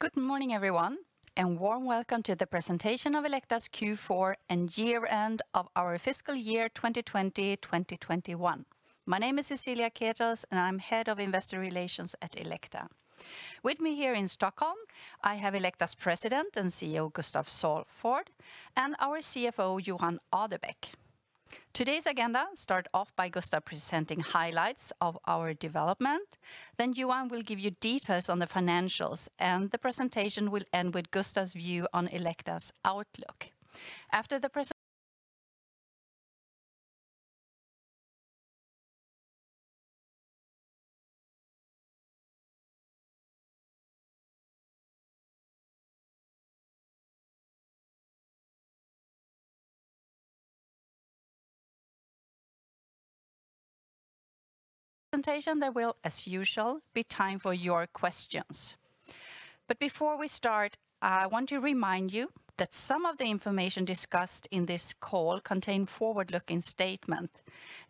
Good morning, everyone, and a warm welcome to the presentation of Elekta's Q4 and year-end of our fiscal year 2020-2021. My name is Cecilia Ketels, and I'm Head of Investor Relations at Elekta. With me here in Stockholm, I have Elekta's President and CEO, Gustaf Salford, and our CFO, Johan Adebäck. Today's agenda will start off by Gustaf presenting highlights of our development. Johan will give you details on the financials, and the presentation will end with Gustaf's view on Elekta's outlook. After the presentation, there will, as usual, be time for your questions. Before we start, I want to remind you that some of the information discussed in this call contains forward-looking statements.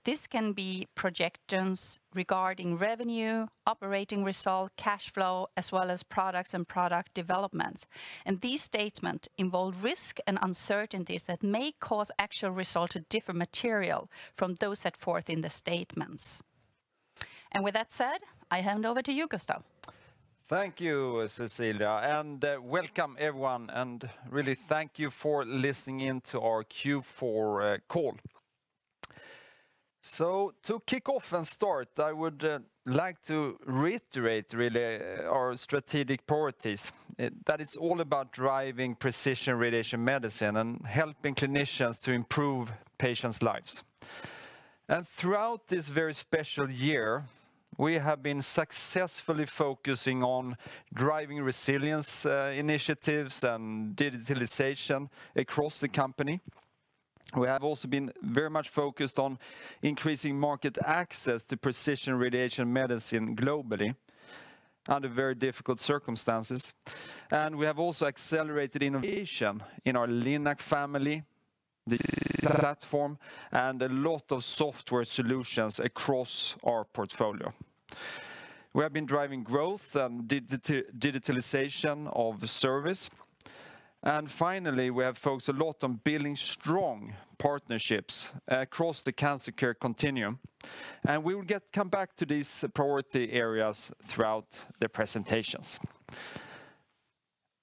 These can be projections regarding revenue, operating results, cash flow, as well as products and product developments. These statements involve risks and uncertainties that may cause actual results to differ materially from those set forth in the statements. With that said, I hand over to you, Gustaf. Thank you, Cecilia, and welcome, everyone, and really thank you for listening in to our Q4 call. To kick off and start, I would like to reiterate our strategic priorities. That is all about driving precision radiation medicine and helping clinicians to improve patients' lives. Throughout this very special year, we have been successfully focusing on driving resilience initiatives and digitalization across the company. We have also been very much focused on increasing market access to precision radiation medicine globally under very difficult circumstances. We have also accelerated innovation in our Linac family, the platform, and a lot of software solutions across our portfolio. We have been driving growth and digitalization of service. Finally, we have focused a lot on building strong partnerships across the cancer care continuum. We will come back to these priority areas throughout the presentations.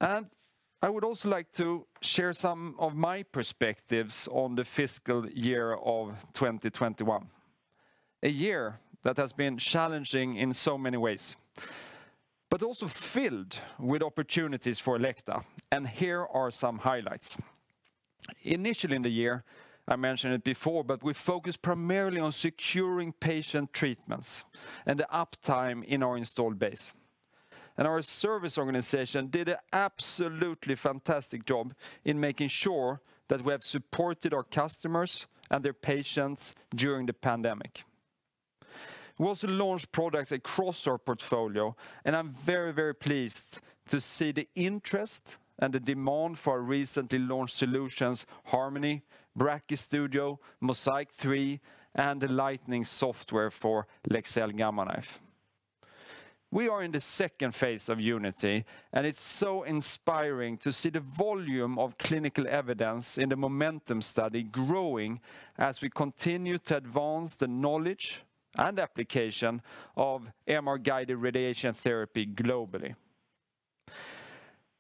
I would also like to share some of my perspectives on the fiscal year of 2021, a year that has been challenging in so many ways, but also filled with opportunities for Elekta. Here are some highlights. Initially in the year, I mentioned it before, but we focused primarily on securing patient treatments and the uptime in our installed base. Our service organization did an absolutely fantastic job in making sure that we have supported our customers and their patients during the pandemic. We also launched products across our portfolio, and I'm very pleased to see the interest and the demand for our recently launched solutions, Harmony, Brachy Studio, MOSAIQ 3, and the Lightning software for Leksell Gamma Knife. We are in the second phase of Unity, and it's so inspiring to see the volume of clinical evidence in the MOMENTUM study growing as we continue to advance the knowledge and application of MR-guided radiation therapy globally.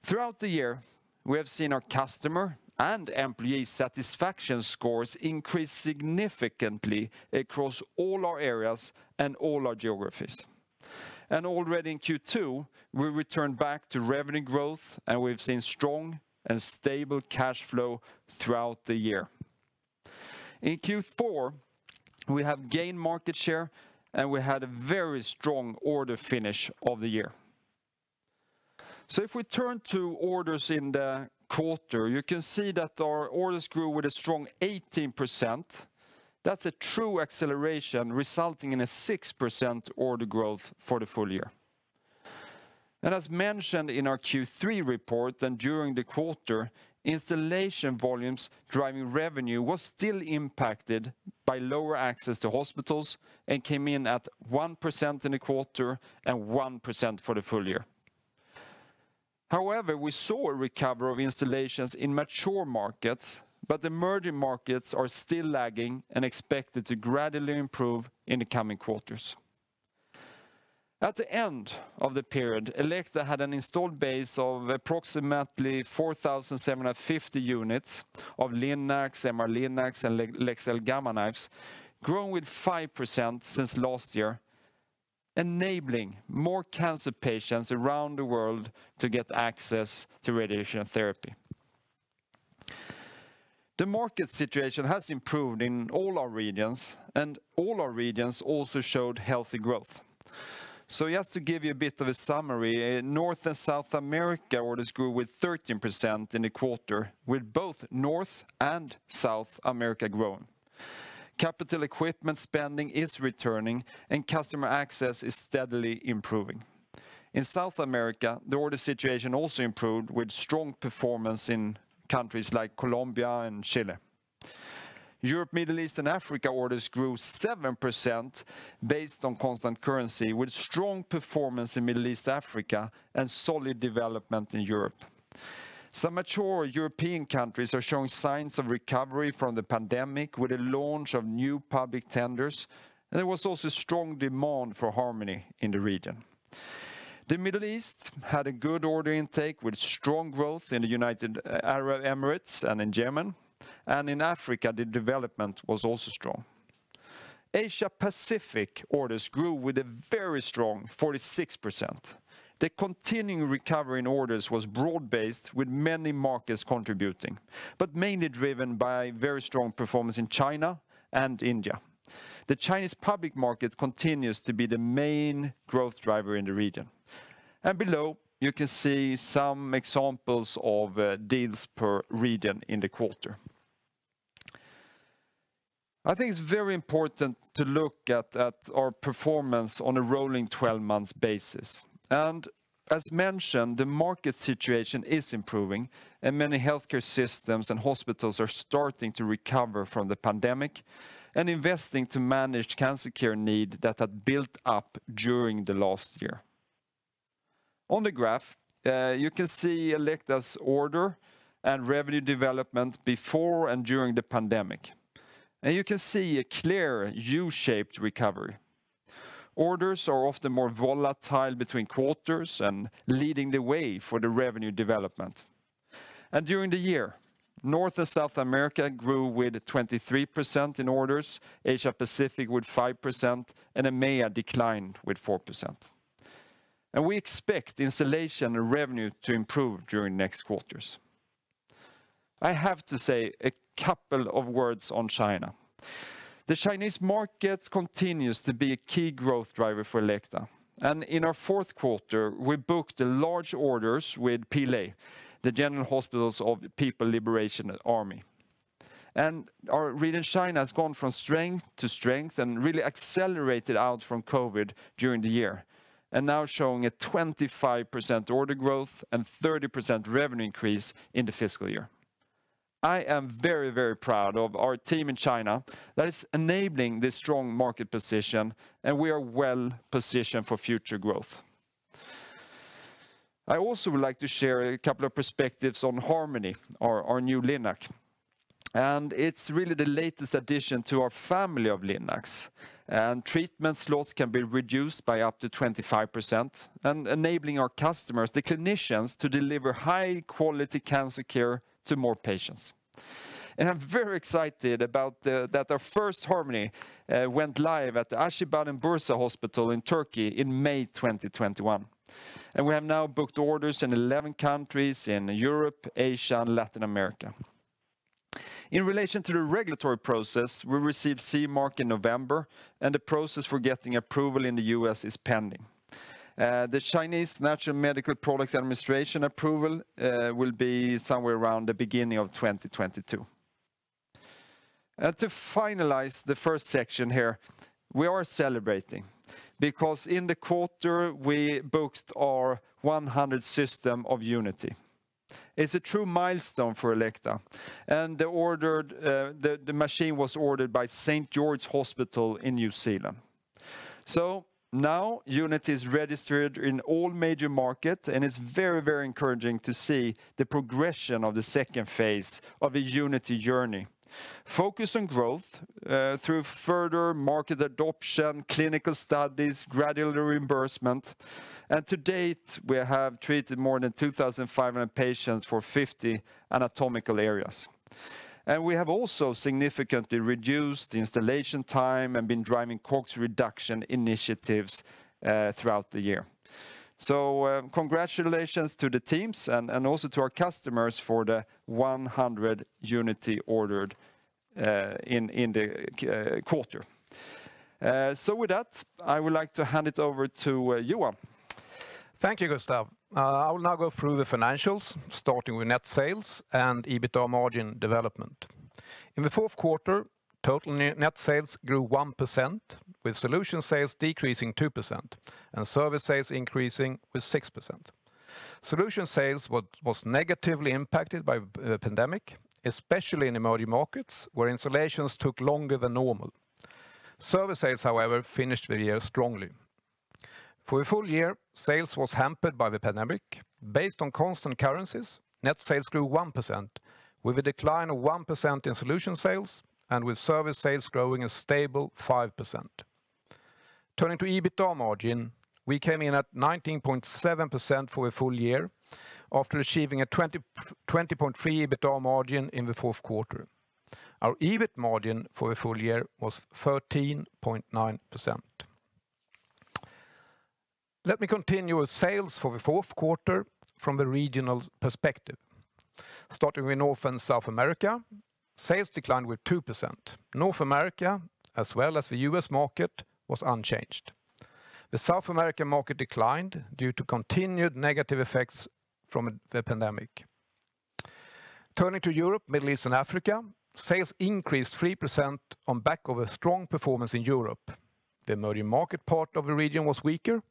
Throughout the year, we have seen our customer and employee satisfaction scores increase significantly across all our areas and all our geographies. Already in Q2, we returned back to revenue growth, and we've seen strong and stable cash flow throughout the year. In Q4, we have gained market share, and we had a very strong order finish of the year. If we turn to orders in the quarter, you can see that our orders grew with a strong 18%. That's a true acceleration resulting in a 6% order growth for the full year. As mentioned in our Q3 report and during the quarter, installation volumes driving revenue was still impacted by lower access to hospitals and came in at 1% in the quarter and 1% for the full year. However, we saw a recovery of installations in mature markets, but emerging markets are still lagging and expected to gradually improve in the coming quarters. At the end of the period, Elekta had an installed base of approximately 4,750 units of Linacs and MR Linacs and Leksell Gamma Knives growing with 5% since last year, enabling more cancer patients around the world to get access to radiation therapy. The market situation has improved in all our regions, and all our regions also showed healthy growth. Just to give you a bit of a summary, in North and South America, orders grew with 13% in a quarter, with both North and South America growing. Capital equipment spending is returning, customer access is steadily improving. In South America, the order situation also improved with strong performance in countries like Colombia and Chile. Europe, Middle East, and Africa orders grew 7% based on constant currency with strong performance in Middle East, Africa and solid development in Europe. Some mature European countries are showing signs of recovery from the pandemic with the launch of new public tenders, there was also strong demand for Harmony in the region. The Middle East had a good order intake with strong growth in the United Arab Emirates and in Germany and in Africa the development was also strong. Asia Pacific orders grew with a very strong 46%. The continuing recovery in orders was broad-based with many markets contributing, but mainly driven by very strong performance in China and India. The Chinese public market continues to be the main growth driver in the region. Below you can see some examples of deals per region in the quarter. I think it's very important to look at our performance on a rolling 12 months basis. As mentioned, the market situation is improving and many healthcare systems and hospitals are starting to recover from the pandemic and investing to manage cancer care need that had built up during the last year. On the graph, you can see Elekta's order and revenue development before and during the pandemic. You can see a clear U-shaped recovery. Orders are often more volatile between quarters and leading the way for the revenue development. During the year, North and South America grew with 23% in orders, Asia Pacific with 5%, and EMEA declined with 4%. We expect installation and revenue to improve during next quarters. I have to say a couple of words on China. The Chinese market continues to be a key growth driver for Elekta, in our fourth quarter we booked large orders with PLA, the General Hospitals of the People's Liberation Army. Our region China has gone from strength to strength and really accelerated out from COVID during the year and now showing a 25% order growth and 30% revenue increase in the fiscal year. I am very, very proud of our team in China that is enabling this strong market position, and we are well-positioned for future growth. I also would like to share a couple of perspectives on Elekta Harmony, our new Linac, and it's really the latest addition to our family of Linacs. Treatment slots can be reduced by up to 25% and enabling our customers, the clinicians, to deliver high-quality cancer care to more patients. I'm very excited about that the first Elekta Harmony went live at Acıbadem Bursa Hospital in Turkey in May 2021. We have now booked orders in 11 countries in Europe, Asia, and Latin America. In relation to the regulatory process, we received CE mark in November, and the process for getting approval in the U.S. is pending. The National Medical Products Administration approval will be somewhere around the beginning of 2022. To finalize the first section here, we are celebrating because in the quarter we booked our 100th system of Elekta Unity. It's a true milestone for Elekta and the machine was ordered by St. George Hospital in New Zealand. Now Unity is registered in all major markets, and it's very encouraging to see the progression of the second phase of the Unity journey. Focus on growth through further market adoption, clinical studies, gradual reimbursement, and to date, we have treated more than 2,500 patients for 50 anatomical areas. We have also significantly reduced the installation time and been driving COGS reduction initiatives throughout the year. Congratulations to the teams and also to our customers for the 100 Unity ordered in the quarter. With that, I would like to hand it over to Johan. Thank you, Gustaf. I'll now go through the financials, starting with net sales and EBITDA margin development. In the fourth quarter, total net sales grew 1%, with solution sales decreasing 2% and service sales increasing with 6%. Solution sales was negatively impacted by the pandemic, especially in emerging markets where installations took longer than normal. Service sales, however, finished the year strongly. For a full year, sales was hampered by the pandemic. Based on constant currencies, net sales grew 1%, with a decline of 1% in solution sales and with service sales growing a stable 5%. Turning to EBITDA margin, we came in at 19.7% for a full year after achieving a 20.3% EBITDA margin in the fourth quarter. Our EBIT margin for a full year was 13.9%. Let me continue with sales for the fourth quarter from the regional perspective. Starting with North and South America, sales declined with 2%. North America as well as the U.S. market was unchanged. The South American market declined due to continued negative effects from the pandemic. Turning to Europe, Middle East and Africa, sales increased 3% on back of a strong performance in Europe. The emerging market part of the region was weaker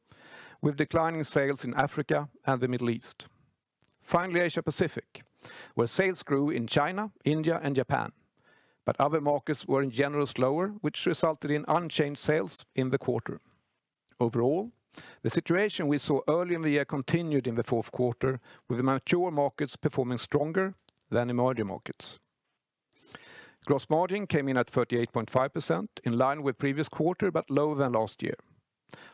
with declining sales in Africa and the Middle East. Asia Pacific, where sales grew in China, India, and Japan, but other markets were in general slower, which resulted in unchanged sales in the quarter. Overall, the situation we saw earlier in the year continued in the fourth quarter, with mature markets performing stronger than emerging markets. Gross margin came in at 38.5%, in line with the previous quarter but lower than last year.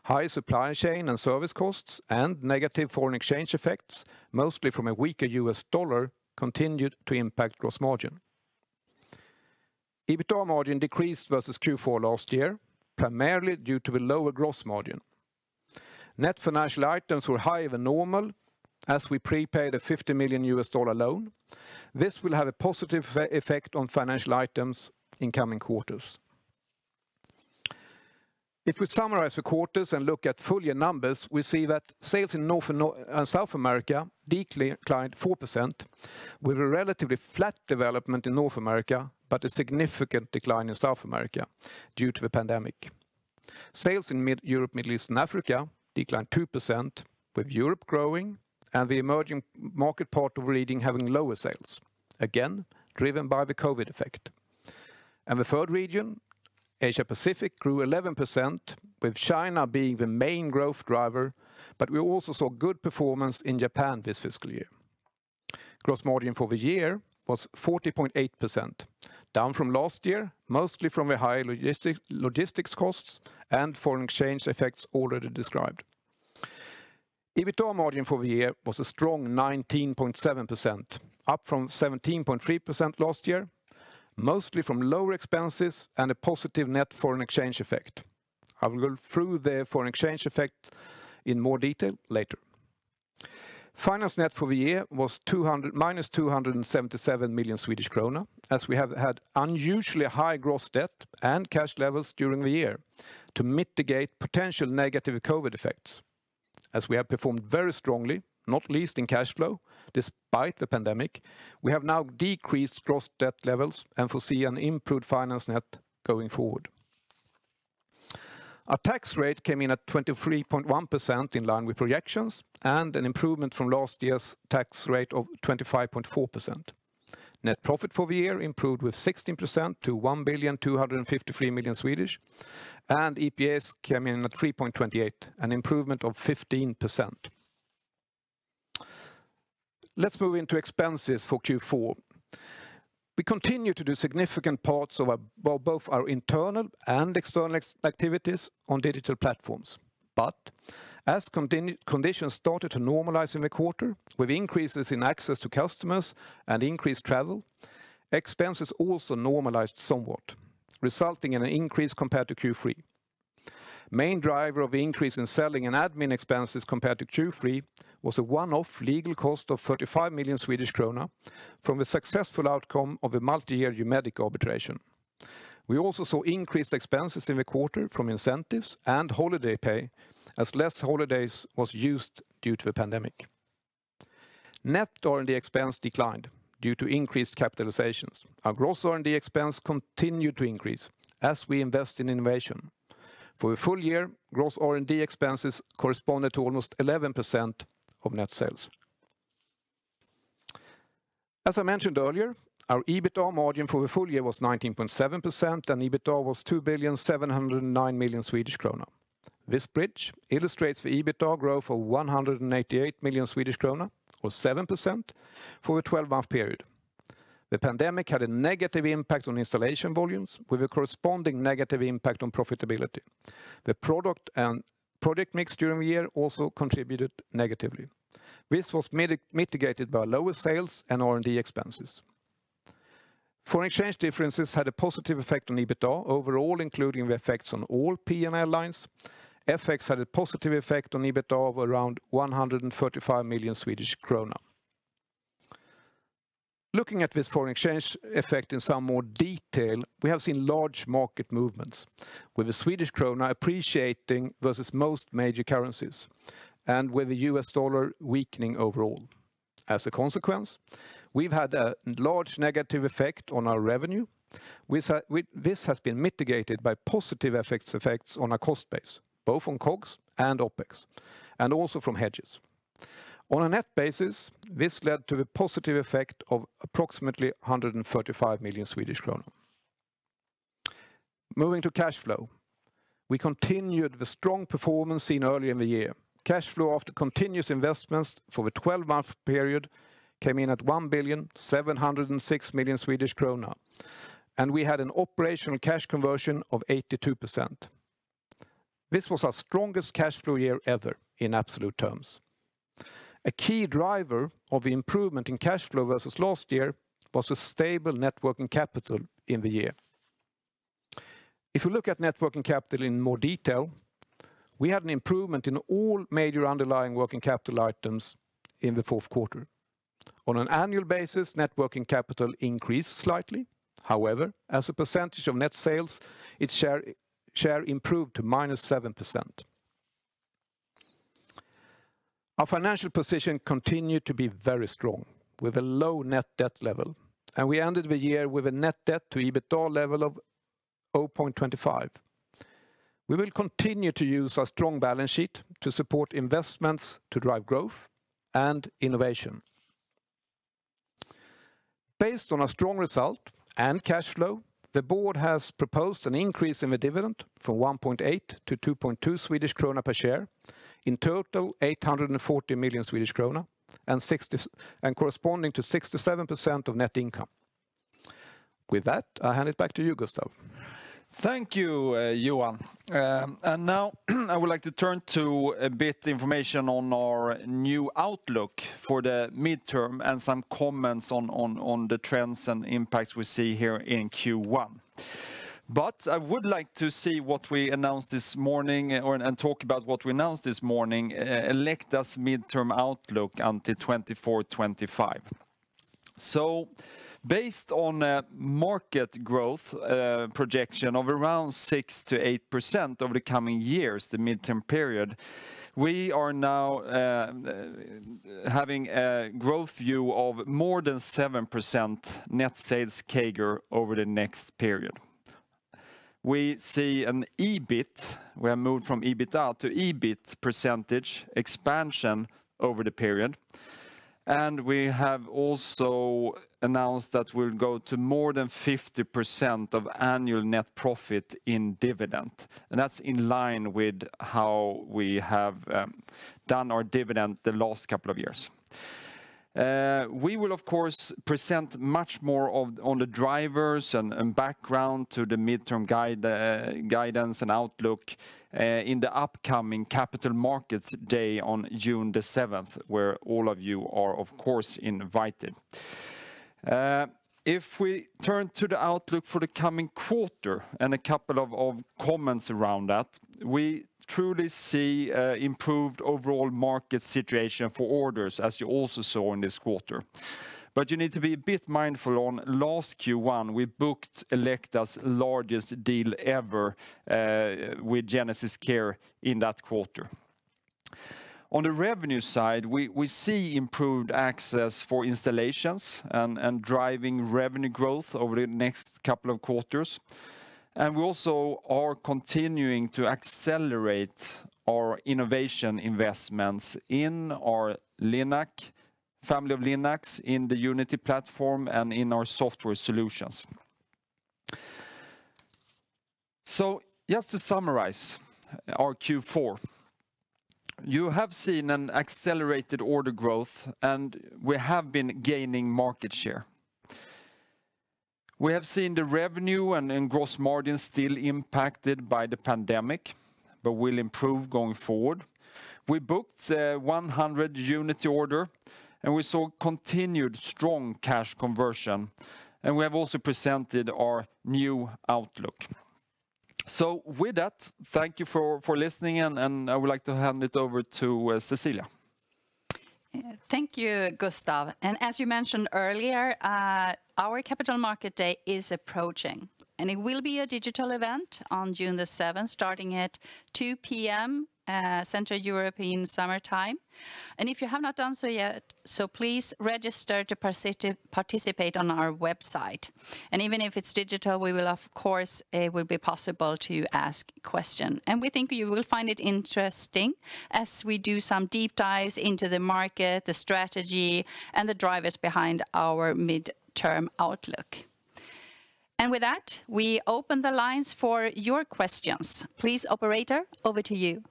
High supply chain and service costs and negative foreign exchange effects, mostly from a weaker US dollar, continued to impact gross margin. EBITDA margin decreased versus Q4 last year, primarily due to a lower gross margin. Net financial items were higher than normal as we prepaid a $50 million loan. This will have a positive effect on financial items in coming quarters. If we summarize the quarters and look at full-year numbers, we see that sales in North and South America declined 4%, with a relatively flat development in North America, but a significant decline in South America due to the pandemic. Sales in Europe, Middle East, and Africa declined 2%, with Europe growing and the emerging market part of the region having lower sales, again driven by the COVID effect. The third region, Asia Pacific, grew 11%, with China being the main growth driver. We also saw good performance in Japan this fiscal year. Gross margin for the year was 40.8%, down from last year, mostly from the high logistics costs and foreign exchange effects already described. EBITDA margin for the year was a strong 19.7%, up from 17.3% last year, mostly from lower expenses and a positive net foreign exchange effect. I will go through the foreign exchange effect in more detail later. Finance net for the year was minus 277 million Swedish kronor, as we have had unusually high gross debt and cash levels during the year to mitigate potential negative COVID effects. As we have performed very strongly, not least in cash flow despite the pandemic, we have now decreased gross debt levels and foresee an improved finance net going forward. Our tax rate came in at 23.1%, in line with projections, and an improvement from last year's tax rate of 25.4%. Net profit for the year improved by 16% to 1,253,000 and EPS came in at 3.28, an improvement of 15%. Let's move into expenses for Q4. As conditions started to normalize in the quarter, with increases in access to customers and increased travel, expenses also normalized somewhat, resulting in an increase compared to Q3. The main driver of increase in selling and admin expenses compared to Q3 was a one-off legal cost of 35 million Swedish krona from the successful outcome of a multi-year humediQ arbitration. We also saw increased expenses in the quarter from incentives and holiday pay, as less holidays were used due to the pandemic. Net R&D expense declined due to increased capitalizations. Our gross R&D expense continued to increase as we invest in innovation. For the full year, gross R&D expenses corresponded to almost 11% of net sales. As I mentioned earlier, our EBITDA margin for the full year was 19.7% and EBITDA was 2,709,000 Swedish kronor. This bridge illustrates the EBITDA growth of 188 million Swedish kronor or 7% for a 12-month period. The pandemic had a negative impact on installation volumes with a corresponding negative impact on profitability. The product and project mix during the year also contributed negatively. This was mitigated by lower sales and R&D expenses. Foreign exchange differences had a positive effect on EBITDA overall, including the effects on all P&L lines. FX had a positive effect on EBITDA of around 135 million Swedish krona. Looking at this foreign exchange effect in some more detail, we have seen large market movements with the Swedish krona appreciating versus most major currencies and with the US dollar weakening overall. As a consequence, we've had a large negative effect on our revenue. This has been mitigated by positive effects on our cost base, both from COGS and OpEx, and also from hedges. On a net basis, this led to a positive effect of approximately 135 million Swedish kronor. Moving to cash flow. We continued the strong performance seen earlier in the year. Cash flow after continuous investments for the 12-month period came in at 1,706,000 Swedish krona, and we had an operational cash conversion of 82%. This was our strongest cash flow year ever in absolute terms. A key driver of improvement in cash flow versus last year was a stable net working capital in the year. If you look at net working capital in more detail, we had an improvement in all major underlying net working capital items in the fourth quarter. On an annual basis, net working capital increased slightly. However, as a percentage of net sales, its share improved to -7%. Our financial position continued to be very strong with a low net debt level, and we ended the year with a net debt-to-EBITDA level of 0.25. We will continue to use our strong balance sheet to support investments to drive growth and innovation. Based on a strong result and cash flow, the board has proposed an increase in the dividend from 1.8-2.2 Swedish krona per share. In total, 840 million Swedish krona and corresponding to 67% of net income. With that, I'll hand it back to you, Gustaf. Thank you, Johan. Now I would like to turn to a bit information on our new outlook for the midterm and some comments on the trends and impacts we see here in Q1. I would like to talk about what we announced this morning, Elekta's midterm outlook until 2024, 2025. Based on a market growth projection of around 6%-8% over the coming years, the midterm period, we are now having a growth view of more than 7% net sales CAGR over the next period. We see an EBIT, we have moved from EBITDA to EBIT percentage expansion over the period, and we have also announced that we'll go to more than 50% of annual net profit in dividend. That's in line with how we have done our dividend the last couple of years. We will, of course, present much more on the drivers and background to the midterm guidance and outlook in the upcoming Capital Markets Day on June the 7th, where all of you are, of course, invited. If we turn to the outlook for the coming quarter and a couple of comments around that, we truly see improved overall market situation for orders, as you also saw in this quarter. You need to be a bit mindful on last Q1, we booked Elekta's largest deal ever with GenesisCare in that quarter. On the revenue side, we see improved access for installations and driving revenue growth over the next couple of quarters, and we also are continuing to accelerate our innovation investments in our family of linacs, in the Unity platform and in our software solutions. Just to summarize our Q4, you have seen an accelerated order growth and we have been gaining market share. We have seen the revenue and gross margin still impacted by the pandemic, but will improve going forward. We booked 100 Unity order and we saw continued strong cash conversion and we have also presented our new outlook. With that, thank you for listening and I would like to hand it over to Cecilia. Thank you, Gustaf. As you mentioned earlier, our Capital Markets Day is approaching and it will be a digital event on June the 7th, starting at 2:00 P.M., Central European summer time. If you have not done so yet, please register to participate on our website. Even if it's digital, it will be possible to ask a question. We think you will find it interesting as we do some deep dives into the market, the strategy and the drivers behind our midterm outlook. With that, we open the lines for your questions. Please, operator, over to you.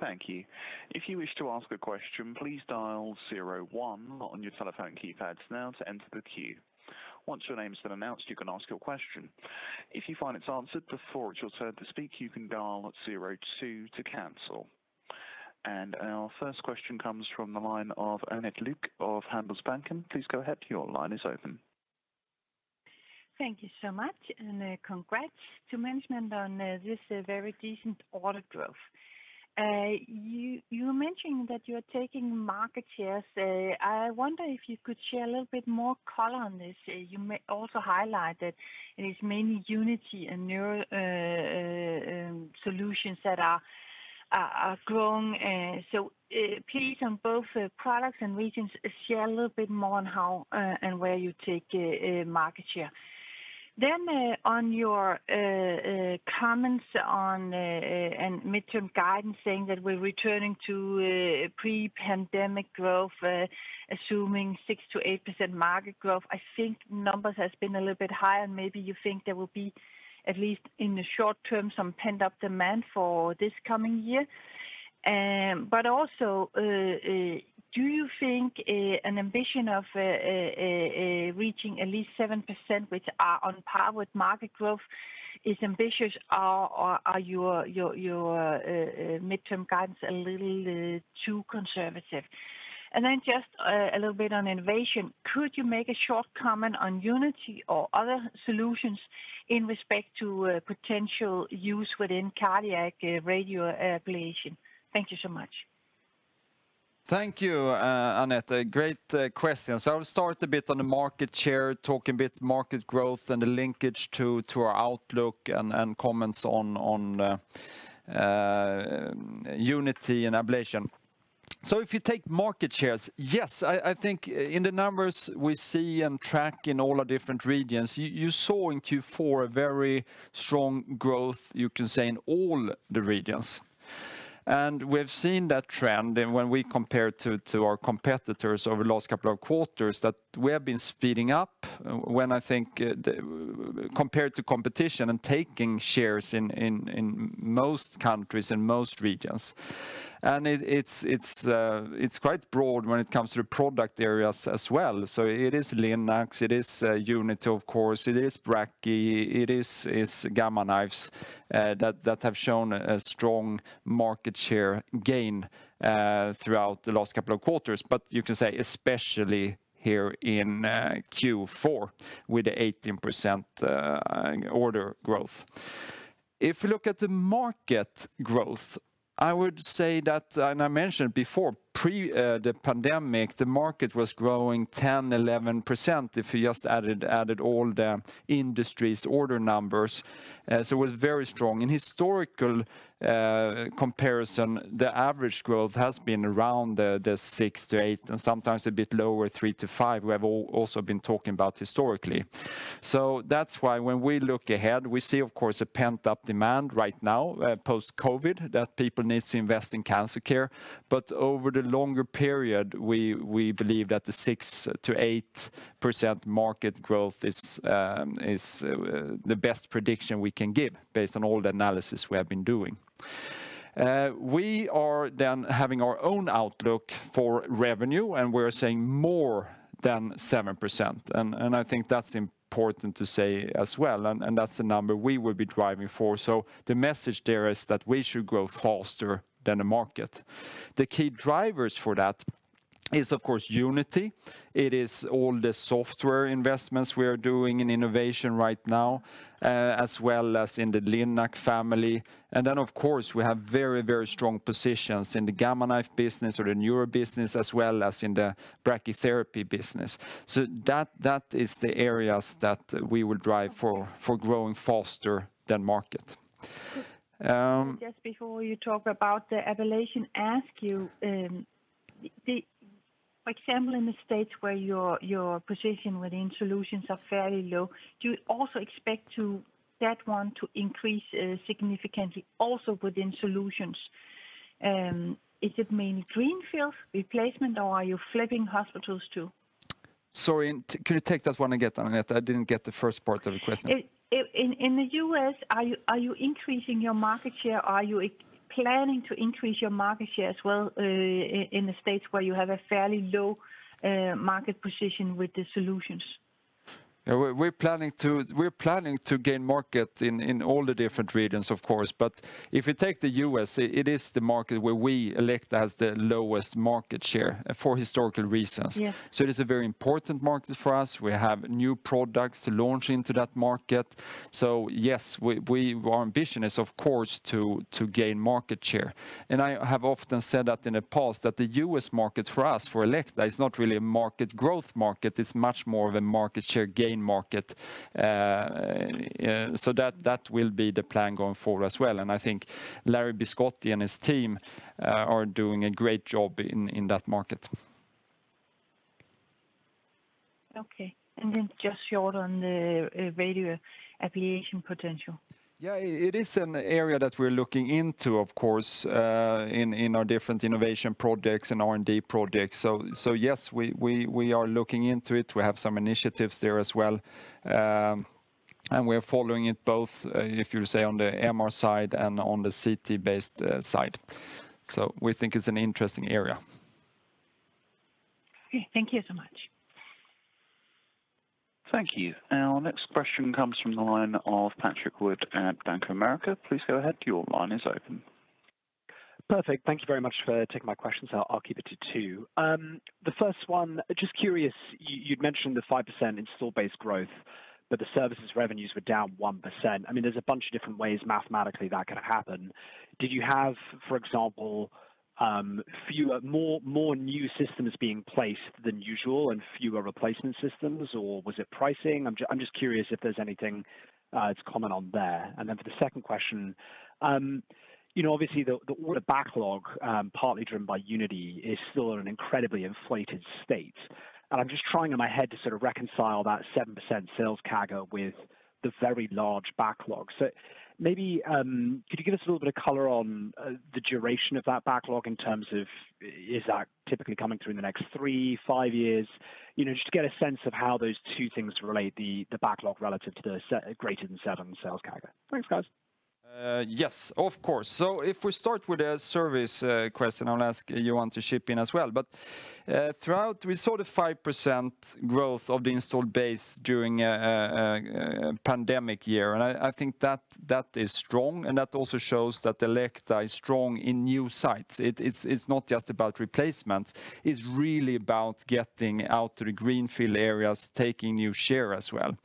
Thank you. If you wish to ask a question, please dial zero one on your telephone keypads now to enter the queue. Once your name has been announced, you can ask your question. If you find it's answered before it's your turn to speak, you can dial zero two to cancel. Our first question comes from the line of Annette Lykke of Handelsbanken. Please go ahead, your line is open. Thank you so much. Congrats to management on this very decent order growth. You mentioned that you're taking market shares. I wonder if you could share a little bit more color on this. You may also highlight that it's main Unity and neuro solutions that are growing. Please on both products and regions share a little bit more on how and where you take market share. On your comments on midterm guidance saying that we're returning to pre-pandemic growth, assuming 6%-8% market growth. I think numbers has been a little bit higher. Maybe you think there will be, at least in the short term, some pent-up demand for this coming year. Also, do you think an ambition of reaching at least 7%, which are on par with market growth, is ambitious? Are your midterm guidance a little too conservative? Just a little bit on innovation. Could you make a short comment on Unity or other solutions in respect to potential use within cardiac radioablation? Thank you so much. Thank you, Annette. Great questions. I'll start a bit on the market share, talk a bit market growth and the linkage to our outlook and comments on Unity and ablation. If you take market shares, yes, I think in the numbers we see and track in all our different regions, you saw in Q4 a very strong growth, you can say, in all the regions. We've seen that trend and when we compare to our competitors over the last couple of quarters, that we have been speeding up compared to competition and taking shares in most countries, in most regions. It's quite broad when it comes to product areas as well. It is Linacs, it is Unity, of course, it is Brachy, it is Gamma Knives that have shown a strong market share gain throughout the last couple of quarters. You can say especially here in Q4 with 18% order growth. If you look at the market growth, I would say that, I mentioned before, pre the pandemic, the market was growing 10%-11%, if you just added all the industry's order numbers. It was very strong. In historical comparison, the average growth has been around the 6%-8% and sometimes a bit lower, 3%-5%, we have also been talking about historically. That's why when we look ahead, we see, of course, a pent-up demand right now post-COVID that people need to invest in cancer care. Over the longer period, we believe that the 6%-8% market growth is the best prediction we can give based on all the analysis we have been doing. We are having our own outlook for revenue, and we're saying more than 7%, and I think that's important to say as well, and that's the number we will be driving for. The message there is that we should grow faster than the market. The key drivers for that is, of course, Unity. It is all the software investments we are doing in innovation right now, as well as in the Linac family. Of course, we have very strong positions in the Gamma Knife business or the neuro business, as well as in the brachytherapy business. That is the areas that we will drive for growing faster than market. Just before you talk about the ablation ask you, for example, in the States where your position within solutions are fairly low, do you also expect that one to increase significantly also within solutions? Is it mainly greenfield replacement or are you flooding hospitals too? Sorry, can you take that one again, Annette? I didn't get the first part of the question. In the U.S., are you increasing your market share? Are you planning to increase your market share as well in the States where you have a fairly low market position with the solutions? We're planning to gain market in all the different regions, of course, but if you take the U.S., it is the market where we, Elekta, has the lowest market share for historical reasons. Yeah. It is a very important market for us. We have new products to launch into that market. Yes, our ambition is, of course, to gain market share. I have often said that in the past that the U.S. market for us, for Elekta, is not really a market growth market, it's much more of a market share gain market. That will be the plan going forward as well, and I think Larry Biscotti and his team are doing a great job in that market. Okay, just short on the radio ablation potential. Yeah, it is an area that we're looking into, of course, in our different innovation projects and R&D projects. Yes, we are looking into it. We have some initiatives there as well, and we are following it both, if you say, on the MR side and on the CT-based side. We think it's an interesting area. Okay. Thank you so much. Thank you. Our next question comes from the line of Patrick Wood at Bank of America. Please go ahead. Your line is open. Perfect. Thank you very much for taking my questions. I'll keep it to two. The first one, just curious, you mentioned the 5% install base growth, but the services revenues were down 1%. There's a bunch of different ways mathematically that could happen. Did you have, for example, more new systems being placed than usual and fewer replacement systems, or was it pricing? I'm just curious if there's anything to comment on there. Then for the second question, obviously the order backlog, partly driven by Unity, is still in an incredibly inflated state. I'm just trying in my head to sort of reconcile that 7% sales CAGR with the very large backlog. Maybe could you give us a little bit of color on the duration of that backlog in terms of is that typically coming through in the next three, five years? Just get a sense of how those two things relate, the backlog relative to the greater than seven% sales CAGR. Thanks, guys. Yes, of course. If we start with a service question, I'll ask Johan to chip in as well. Throughout, we saw the 5% growth of the installed base during a pandemic year, and I think that is strong, and that also shows that Elekta is strong in new sites. It's not just about replacements. It's really about getting out to the greenfield areas, taking new share as well.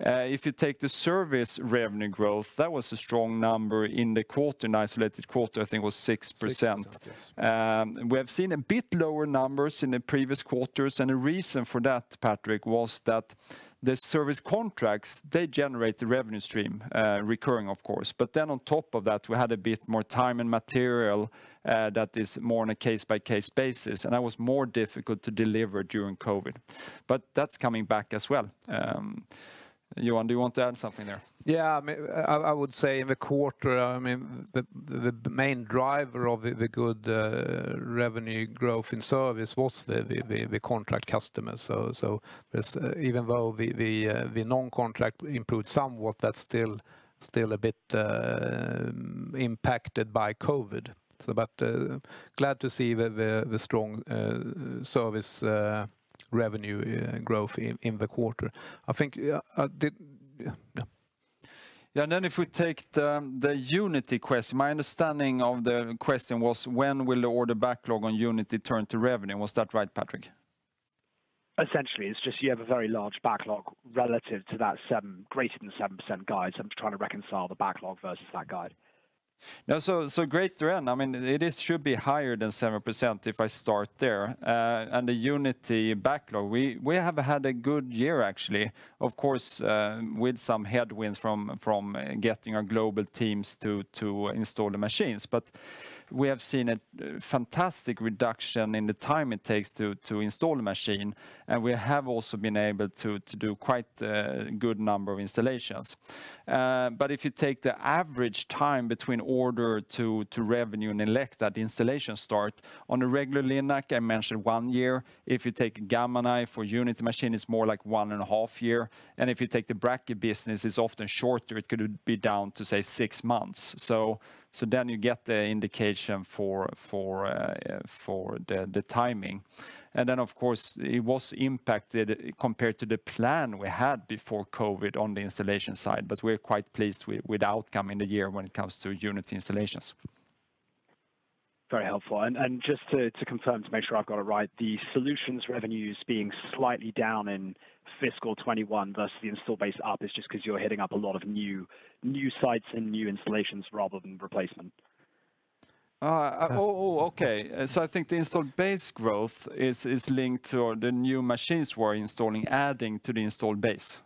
If you take the service revenue growth, that was a strong number in the quarter. An isolated quarter, I think was 6%. We have seen a bit lower numbers in the previous quarters, and the reason for that, Patrick, was that the service contracts, they generate the revenue stream, recurring of course. On top of that, we had a bit more time and material that is more on a case-by-case basis, and that was more difficult to deliver during COVID. That's coming back as well. Johan, do you want to add something there? Yeah, I would say in the quarter, the main driver of the good revenue growth in service was the contract customers. Even though the non-contract improved somewhat, that's still a bit impacted by COVID. Glad to see the strong service revenue growth in the quarter. If you take the Unity question, my understanding of the question was when will order backlog on Unity turn to revenue? Was that right, Patrick? Essentially. It's just you have a very large backlog relative to that greater than 7% guidance. I'm trying to reconcile the backlog versus that guide. Great to end. It should be higher than 7%, if I start there. The Unity backlog, we have had a good year, actually, of course, with some headwinds from getting our global teams to install the machines. We have seen a fantastic reduction in the time it takes to install a machine, and we have also been able to do quite a good number of installations. If you take the average time between order to revenue in Elekta, the installation start, on a regular Linac, I mentioned one year. If you take a Gamma Knife or Unity machine, it's more like one and a half year. If you take the Brachy business, it's often shorter. It could be down to, say, six months. Then you get the indication for the timing. Of course, it was impacted compared to the plan we had before COVID on the installation side, but we're quite pleased with the outcome in the year when it comes to Unity installations. Very helpful, just to confirm, to make sure I've got it right, the solutions revenues being slightly down in fiscal 2021 versus the installed base up is just because you're hitting up a lot of new sites and new installations rather than replacement? Okay. I think the installed base growth is linked to the new machines we're installing, adding to the installed base.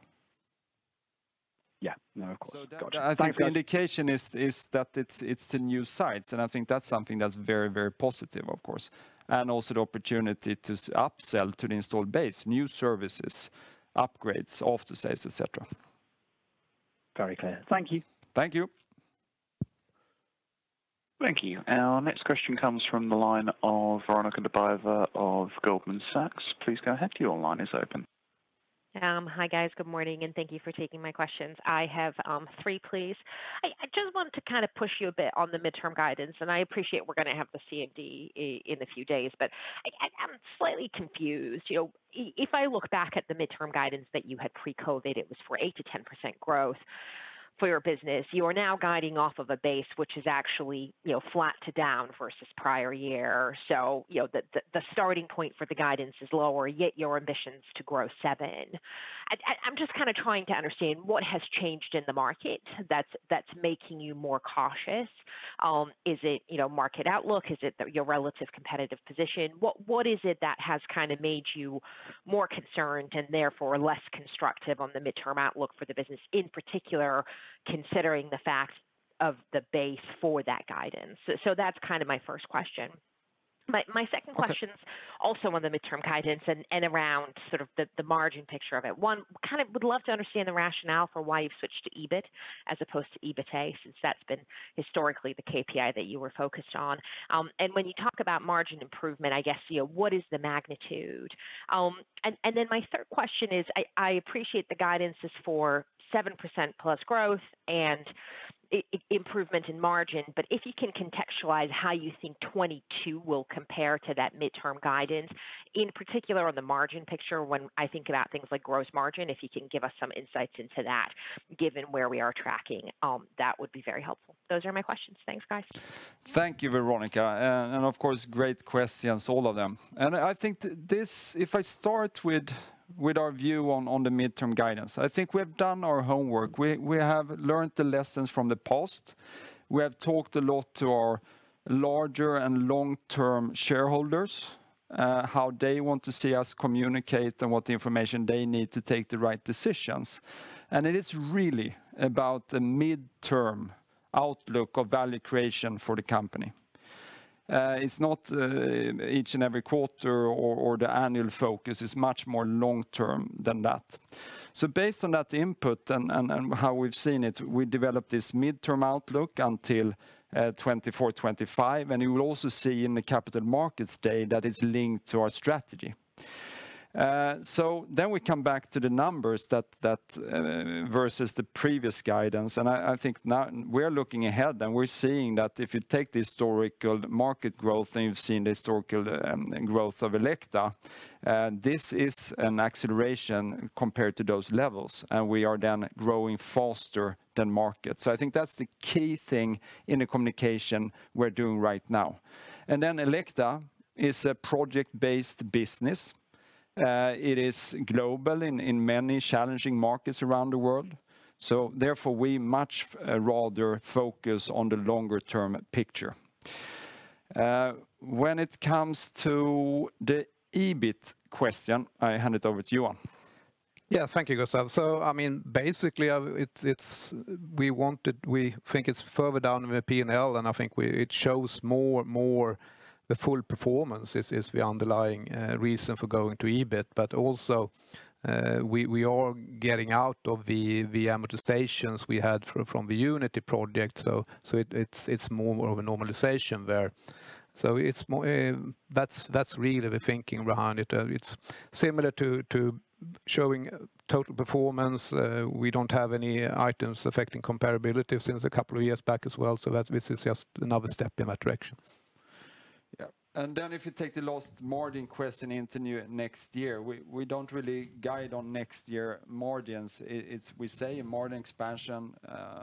Yeah, no, got it. Thank you. I think the indication is that it's the new sites, and I think that's something that's very positive, of course, and also the opportunity to upsell to the installed base, new services, upgrades, after sales, et cetera. Very clear. Thank you. Thank you. Thank you. Our next question comes from the line of Veronika Dubajova of Goldman Sachs. Please go ahead. Your line is open. Hi, guys. Good morning. Thank you for taking my questions. I have three, please. I just want to push you a bit on the midterm guidance. I appreciate we're going to have the CMD in a few days. I'm slightly confused. If I look back at the midterm guidance that you had pre-COVID, it was for 8%-10% growth for your business. You are now guiding off of a base which is actually flat to down versus prior year. The starting point for the guidance is lower, yet your ambition is to grow seven. I'm just trying to understand what has changed in the market that's making you more cautious. Is it your market outlook? Is it your relative competitive position? What is it that has made you more concerned and therefore less constructive on the midterm outlook for the business, in particular, considering the fact of the base for that guidance? That's my first question. My second question is also on the midterm guidance and around the margin picture of it. One, would love to understand the rationale for why you switched to EBIT as opposed to EBITA, since that's been historically the KPI that you were focused on. When you talk about margin improvement, I guess, what is the magnitude? My third question is, I appreciate the guidance is for 7%+ growth and improvement in margin. If you can contextualize how you think 2022 will compare to that midterm guidance, in particular on the margin picture when I think about things like gross margin, if you can give us some insights into that given where we are tracking, that would be very helpful. Those are my questions. Thanks, guys. Thank you, Veronika, of course, great questions, all of them. I think if I start with our view on the midterm guidance, I think we've done our homework. We have learned the lessons from the past. We have talked a lot to our larger and long-term shareholders, how they want to see us communicate and what information they need to take the right decisions. It is really about the midterm outlook of value creation for the company. It's not each and every quarter or the annual focus. It's much more long-term than that. Based on that input and how we've seen it, we developed this midterm outlook until 2024, 2025. You will also see in the Capital Markets Day that is linked to our strategy. We come back to the numbers versus the previous guidance. I think we're looking ahead and we're seeing that if you take the historical market growth and you've seen the historical growth of Elekta, this is an acceleration compared to those levels, and we are then growing faster than market. I think that's the key thing in the communication we're doing right now. Elekta is a project-based business. It is global in many challenging markets around the world. Therefore, we much rather focus on the longer-term picture. When it comes to the EBIT question, I hand it over to you, Johan. Yeah, thank you, Gustaf. Basically, we think it's further down in the P&L, and I think it shows more the full performance is the underlying reason for going to EBIT. Also, we are getting out of the amortizations we had from the Unity project, it's more of a normalization there. That's really the thinking behind it. It's similar to showing total performance. We don't have any items affecting comparability since a couple of years back as well, this is just another step in that direction. Yeah. Then if you take the last margin question into next year, we don't really guide on next year margins. We say margin expansion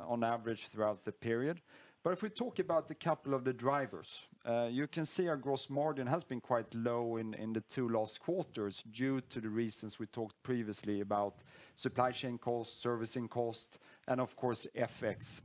on average throughout the period. If we talk about a couple of the drivers, you can see our gross margin has been quite low in the two last quarters due to the reasons we talked previously about supply chain costs, servicing costs, and of course FX.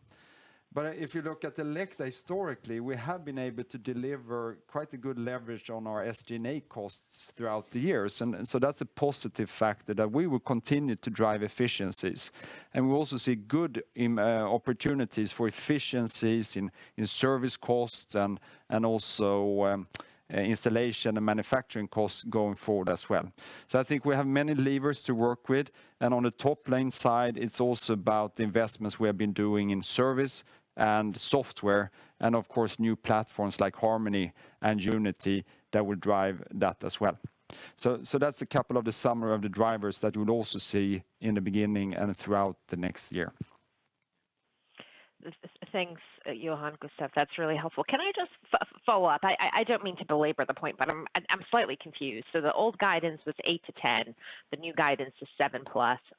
If you look at Elekta historically, we have been able to deliver quite a good leverage on our SG&A costs throughout the years, that's a positive factor that we will continue to drive efficiencies. We also see good opportunities for efficiencies in service costs and also installation and manufacturing costs going forward as well. I think we have many levers to work with. On the top-line side, it's also about the investments we have been doing in service and software and, of course, new platforms like Harmony and Unity that will drive that as well. That's a couple of the summary of the drivers that we'll also see in the beginning and throughout the next year. Thanks, Johan and Gustaf. That's really helpful. Can I just follow up? I don't mean to belabor the point, but I'm slightly confused. The old guidance was 8-10. The new guidance is 7+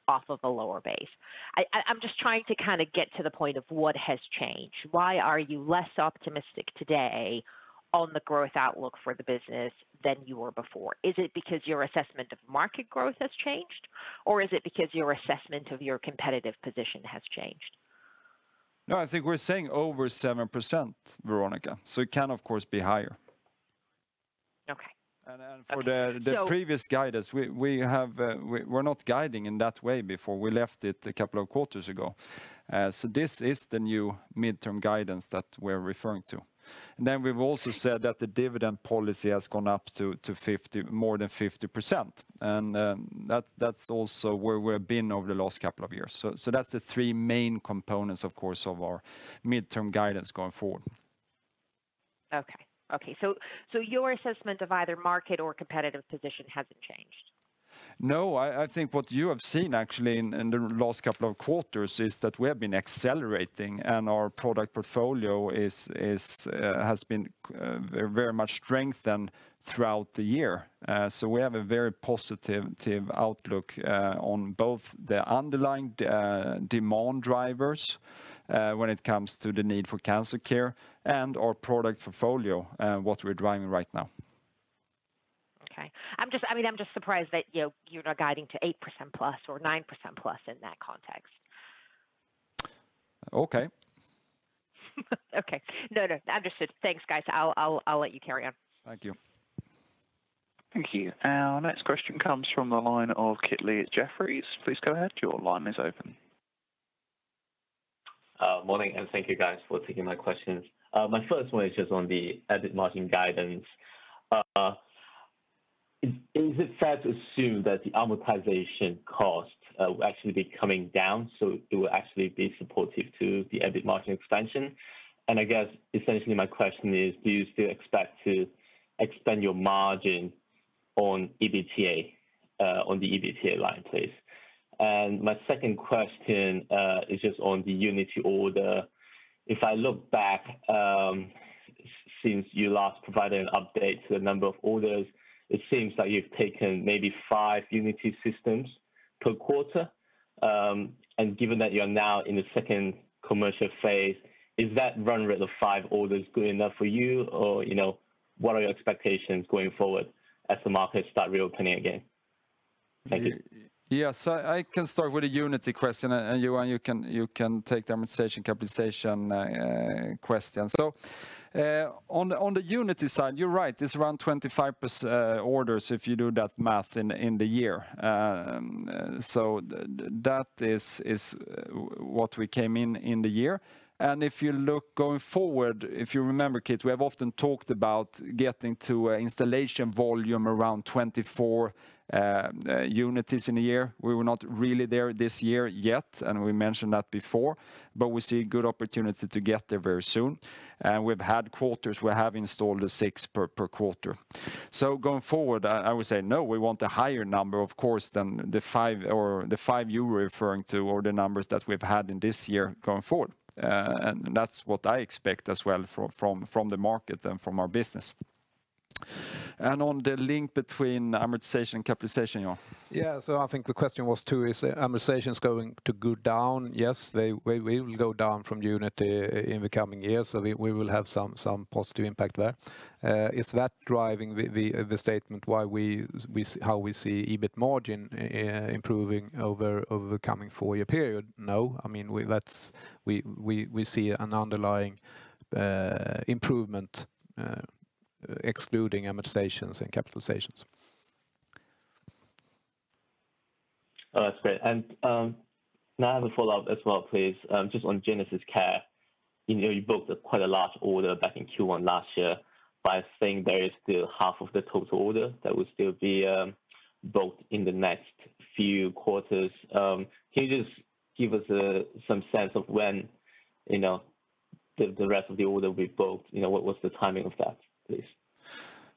off of a lower base. I'm just trying to get to the point of what has changed. Why are you less optimistic today on the growth outlook for the business than you were before? Is it because your assessment of market growth has changed, or is it because your assessment of your competitive position has changed? No, I think we're saying over 7%, Veronika, so it can of course be higher. Okay. For the previous guidance, we were not guiding in that way before. We left it a couple of quarters ago. This is the new midterm guidance that we're referring to. Then we've also said that the dividend policy has gone up to more than 50%, and that's also where we've been over the last couple of years. That's the three main components, of course, of our midterm guidance going forward. Okay. Your assessment of either market or competitive position hasn't changed? No, I think what you have seen actually in the last couple of quarters is that we have been accelerating, and our product portfolio has been very much strengthened throughout the year. We have a very positive outlook on both the underlying demand drivers when it comes to the need for cancer care and our product portfolio, what we're driving right now. Okay. I'm just surprised that you're guiding to 8%+ or 9%+ in that context. Okay. Okay. No, understood. Thanks, guys. I'll let you carry on. Thank you. Thank you. Our next question comes from the line of Kit Lee from Jefferies. Please go ahead. Your line is open. Morning. Thank you guys for taking my questions. My first one is just on the EBIT margin guidance. Is it fair to assume that the amortization costs will actually be coming down, so it will actually be supportive to the EBIT margin expansion? I guess essentially my question is, do you still expect to expand your margin on the EBITDA line, please? My second question is just on the Unity order. If I look back since you last provided an update to the number of orders, it seems like you've taken maybe five Unity systems per quarter. Given that you're now in the second commercial phase, is that run rate of five orders good enough for you, or what are your expectations going forward as the markets start reopening again? Thank you. I can start with the Elekta Unity question, and Johan, you can take the amortization capitalization question. On the Elekta Unity side, you're right. It's around 25% orders if you do that math in the year. That is what we came in the year. If you look going forward, if you remember, Kit, we have often talked about getting to installation volume around 24 Elekta Unities in a year. We were not really there this year yet, and we mentioned that before, but we see a good opportunity to get there very soon. We've had quarters where we have installed 6 per quarter. Going forward, I would say no, we want a higher number, of course, than the five you were referring to or the numbers that we've had in this year going forward. That's what I expect as well from the market and from our business. On the link between amortization and capitalization, Johan? Yeah. I think the question was two ways, Amortization going to go down? Yes. They will go down from Unity in the coming years, so we will have some positive impact there. Is that driving the statement how we see EBIT margin improving over the coming four-year period? No. We see an underlying improvement excluding amortizations and capitalizations. Oh, that's great. Can I have a follow-up as well, please? Just on GenesisCare. You booked quite a large order back in Q1 last year, but I think there is still half of the total order that will still be booked in the next few quarters. Can you just give us some sense of when the rest of the order will be booked? What's the timing of that, please?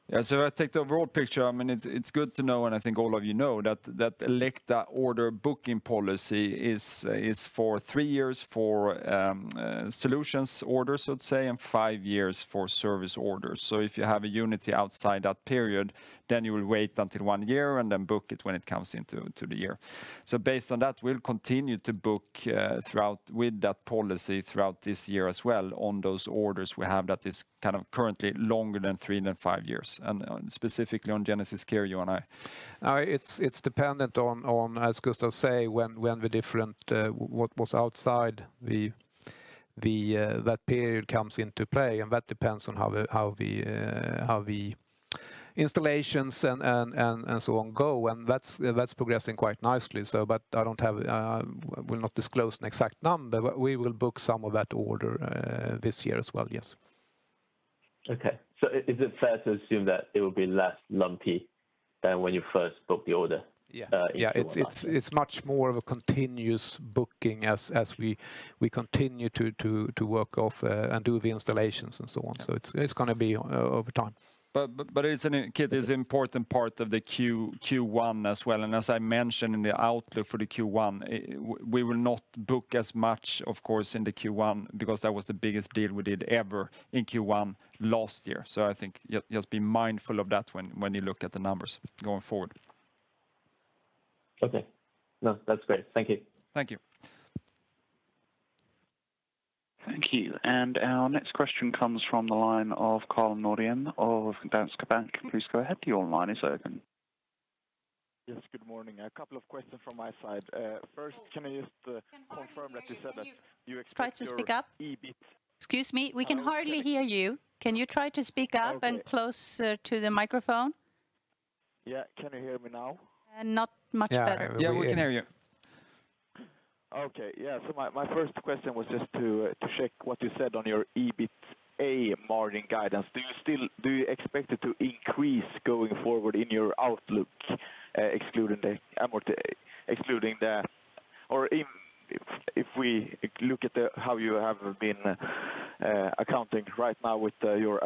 Yeah. I think the overall picture, it's good to know, and I think all of you know that Elekta order booking policy is for three years for solutions orders, let's say, and five years for service orders. If you have a Unity outside that period, then you will wait until one year and then book it when it comes into the year. Based on that, we'll continue to book with that policy throughout this year as well on those orders we have that is currently longer than three and five years, and specifically on GenesisCare, Johan? It's dependent on, as Gustaf Salford say, when what was outside that period comes into play, and that depends on how the installations and so on go, and that's progressing quite nicely. We'll not disclose an exact number. We will book some of that order this year as well, yes. Okay. Is it fair to assume that it will be less lumpy than when you first booked the order in Q1? It's much more of a continuous booking as we continue to work off and do the installations and so on. It's going to be over time. It's an important part of the Q1 as well, and as I mentioned in the outlook for the Q1, we will not book as much, of course, in the Q1 because that was the biggest deal we did ever in Q1 last year. I think just be mindful of that when you look at the numbers going forward. Okay. No, that's great. Thank you. Thank you. Thank you. Our next question comes from the line of Karl Norén of Danske Bank. Please go ahead. Your line is open. Yes, good morning. A couple of questions from my side. First, can I just confirm that you said that you expect your EBIT. Sorry to speak up. Excuse me. We can hardly hear you. Can you try to speak up and closer to the microphone? Yeah. Can you hear me now? Not much better. Yeah, we can hear you. Okay. Yeah. My first question was just to check what you said on your EBITA margin guidance. Do you expect it to increase going forward in your outlook, or if we look at how you have been accounting right now with your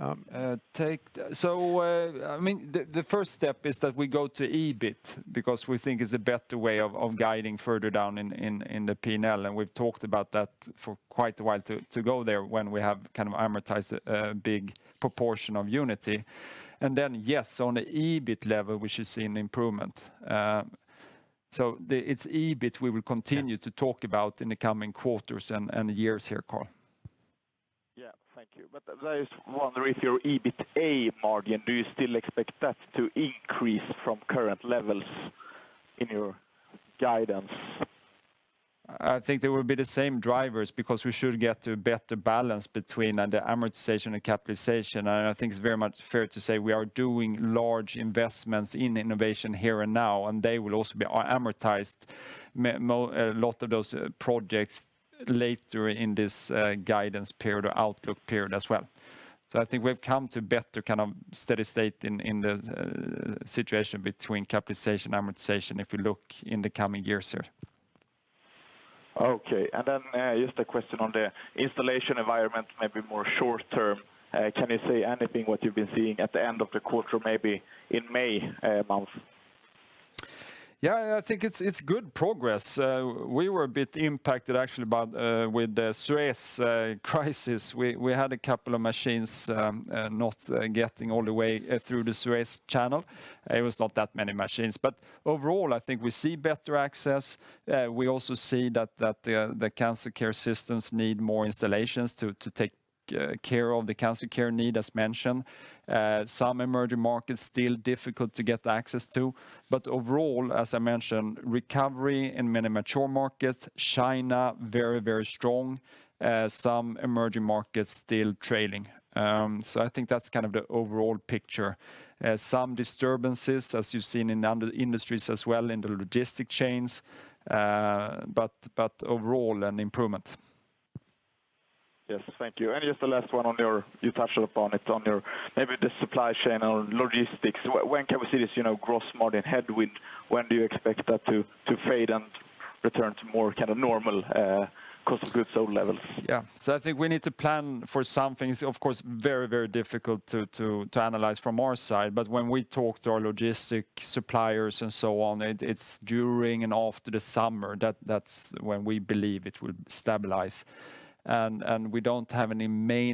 amortizations? The first step is that we go to EBIT because we think it's a better way of guiding further down in the P&L, and we've talked about that for quite a while to go there when we have amortized a big proportion of Elekta Unity. Then, yes, on the EBIT level, we should see an improvement. It's EBIT we will continue to talk about in the coming quarters and years here, Karl. Yeah. Thank you. I just wonder with your EBITA margin, do you still expect that to increase from current levels in your guidance? I think they will be the same drivers because we should get a better balance between the amortization and capitalization, and I think it's very much fair to say we are doing large investments in innovation here and now, and they will also be amortized, a lot of those projects later in this guidance period or outlook period as well. I think we've come to a better steady state in the situation between capitalization, amortization, if you look in the coming years here. Okay. Then just a question on the installation environment, maybe more short term. Can you say anything what you've been seeing at the end of the quarter, maybe in May month? Yeah, I think it's good progress. We were a bit impacted, actually, with the Suez crisis. We had a couple of machines not getting all the way through the Suez Canal. It was not that many machines. Overall, I think we see better access. We also see that the cancer care systems need more installations to take care of the cancer care need, as mentioned. Some emerging markets, still difficult to get access to. Overall, as I mentioned, recovery in many mature markets. China, very, very strong. Some emerging markets still trailing. I think that's the overall picture. Some disturbances, as you've seen in other industries as well in the logistic chains, but overall, an improvement. Yes. Thank you. You touched upon it on your maybe the supply chain or logistics. When can we see this gross margin headwind? When do you expect that to fade? Return to more normal cost of goods sold levels. Yeah. I think we need to plan for some things. Of course, very difficult to analyze from our side, but when we talk to our logistic suppliers and so on, it's during and after the summer. That's when we believe it will stabilize.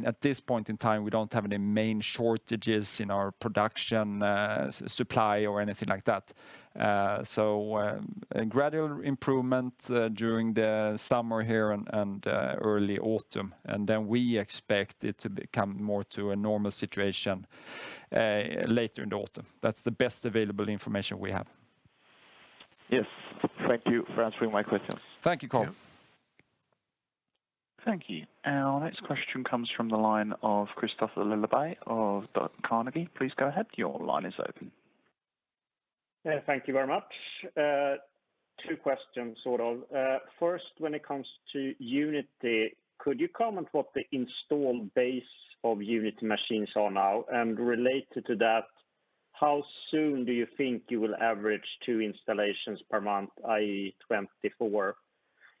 At this point in time, we don't have any main shortages in our production supply or anything like that. A gradual improvement during the summer here and early autumn, and then we expect it to become more to a normal situation later in the autumn. That's the best available information we have. Yes. Thank you for answering my questions. Thank you, Karl. Thank you. Our next question comes from the line of Kristofer Liljeberg of Carnegie. Please go ahead. Your line is open. Thank you very much. Two questions sort of. First, when it comes to Unity, could you comment what the install base of Unity machines are now? Related to that, how soon do you think you will average two installations per month, i.e., 24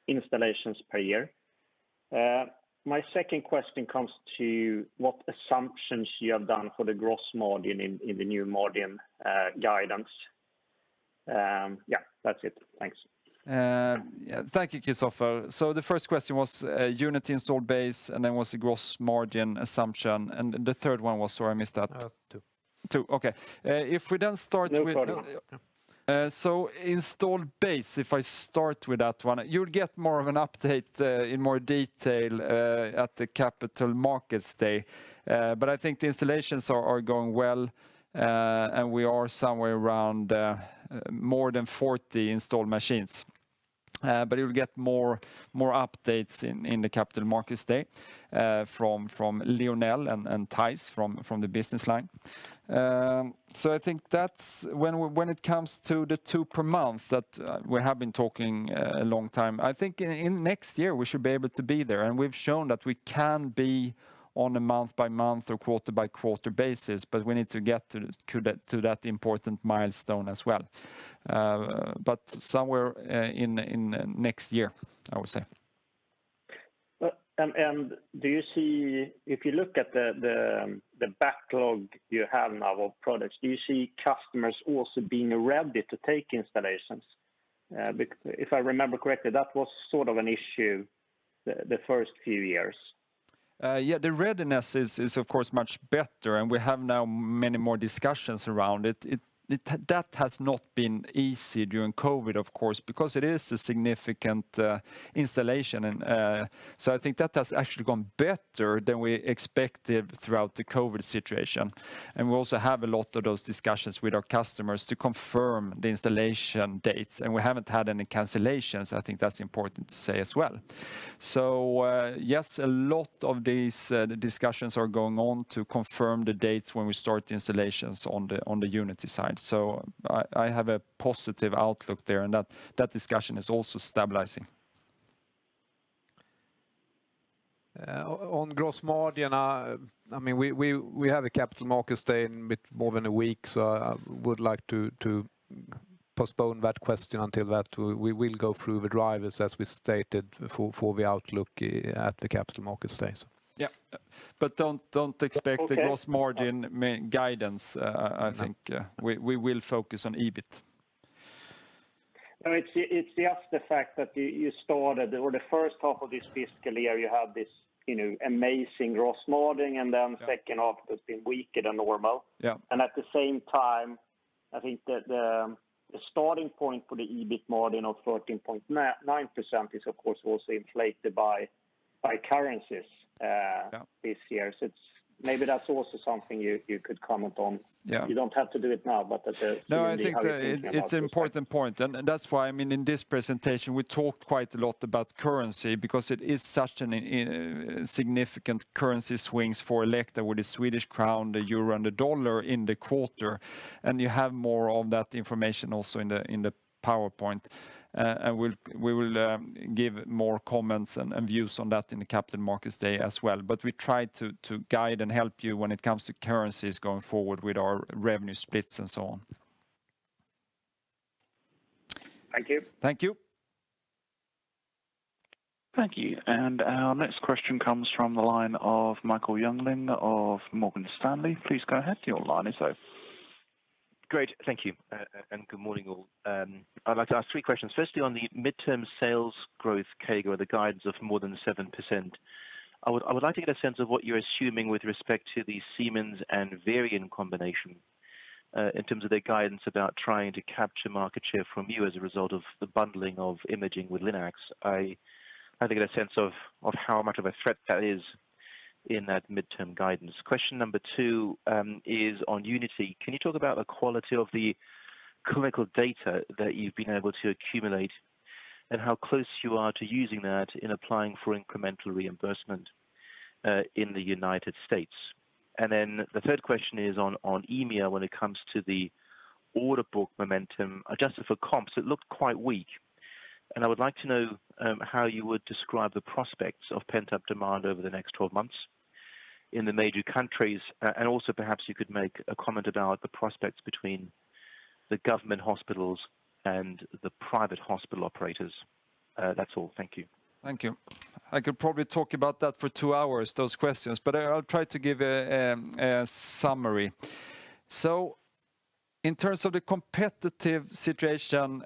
installations per year? My second question comes to what assumptions you have done for the gross margin in the new margin guidance. Yeah, that's it. Thanks. Thank you, Kristofer. The first question was Unity install base, and then was the gross margin assumption. The third one was, sorry, I missed that. Two. Two, okay. Install base, if I start with that one, you'll get more of an update in more detail at the Capital Markets Day. I think the installations are going well, and we are somewhere around more than 40 installed machines. You'll get more updates in the Capital Markets Day from Lionel and Thijs from the business line. I think when it comes to the two per month that we have been talking a long time, I think in next year we should be able to be there. We've shown that we can be on a month-by-month or quarter-by-quarter basis, but we need to get to that important milestone as well. Somewhere in next year, I would say. If you look at the backlog you have now of products, do you see customers also being ready to take installations? Because if I remember correctly, that was sort of an issue the first few years. Yeah, the readiness is of course much better. We have now many more discussions around it. That has not been easy during COVID, of course, because it is a significant installation. I think that has actually gone better than we expected throughout the COVID situation. We also have a lot of those discussions with our customers to confirm the installation dates, and we haven't had any cancellations. I think that's important to say as well. Yes, a lot of these discussions are going on to confirm the dates when we start the installations on the Unity side. I have a positive outlook there, and that discussion is also stabilizing. On gross margin, we have a Capital Markets Day in more than a week, so I would like to postpone that question until that. We will go through the drivers, as we stated, for the outlook at the Capital Markets Day. Yeah. Don't expect a gross margin guidance. I think we will focus on EBIT. It's just the fact that you started, or the first half of this fiscal year, you had this amazing gross margin, and then the second half has been weaker than normal. Yeah. At the same time, I think that the starting point for the EBIT margin of 13.9% is, of course, also inflated by currencies. Yeah. This year. Maybe that's also something you could comment on. Yeah. You don't have to do it now. No, I think it's an important point, and that's why in this presentation, we talked quite a lot about currency because it is such significant currency swings for Elekta with the Swedish crown, the euro, and the dollar in the quarter. You have more on that information also in the PowerPoint. We will give more comments and views on that in the Capital Markets Day as well. We try to guide and help you when it comes to currencies going forward with our revenue splits and so on. Thank you. Thank you. Thank you. Our next question comes from the line of Michael Jüngling of Morgan Stanley. Great. Thank you, good morning, all. I'd like to ask three questions, firstly on the midterm sales growth CAGR, the guidance of more than 7%. I would like to get a sense of what you're assuming with respect to the Siemens and Varian combination in terms of their guidance about trying to capture market share from you as a result of the bundling of imaging with Linacs. I'd like to get a sense of how much of a threat that is in that midterm guidance. Question number two is on Unity. Can you talk about the quality of the clinical data that you've been able to accumulate and how close you are to using that in applying for incremental reimbursement in the United States? The third question is on EMEA when it comes to the order book momentum, adjusted for comps, it looked quite weak. I would like to know how you would describe the prospects of pent-up demand over the next 12 months. In the major countries. Also perhaps you could make a comment about the prospects between the government hospitals and the private hospital operators. That's all. Thank you. Thank you. I could probably talk about that for two hours, those questions. I'll try to give a summary. In terms of the competitive situation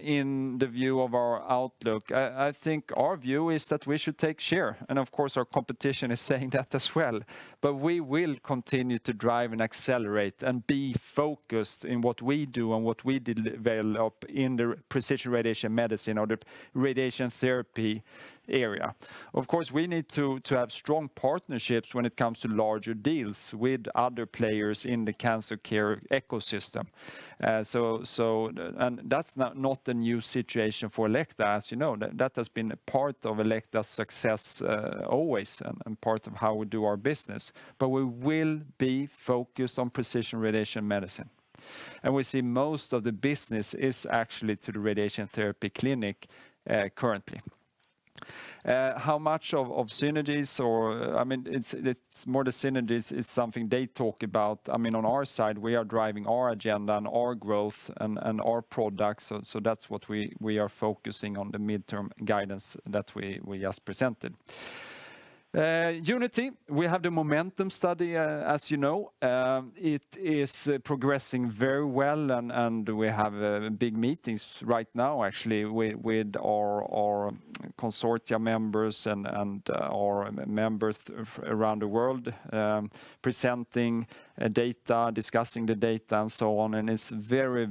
in the view of our outlook, I think our view is that we should take share. Of course, our competition is saying that as well. We will continue to drive and accelerate and be focused in what we do and what we develop in the precision radiation medicine or the radiation therapy area. Of course, we need to have strong partnerships when it comes to larger deals with other players in the cancer care ecosystem. That's not a new situation for Elekta, as you know. That has been a part of Elekta's success always and part of how we do our business. We will be focused on precision radiation medicine. We see most of the business is actually to the radiation therapy clinic currently. How much of synergies? More the synergies is something they talk about. On our side, we are driving our agenda and our growth and our products. That's what we are focusing on the midterm guidance that we just presented. Unity. We have the MOMENTUM study, as you know. It is progressing very well and we have big meetings right now, actually, with our consortia members and our members around the world, presenting data, discussing the data, and so on. It's very